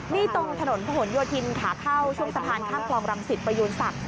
นี่ตรงถนนผนโยธินขาเข้าช่วงสะพานข้ามคลองรังสิตประยูนศักดิ